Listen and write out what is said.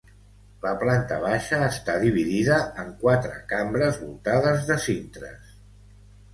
La planta baixa està dividida en quatre cambres voltades de cintres.